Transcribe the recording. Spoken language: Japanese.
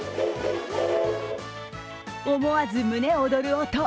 思わず胸躍る音。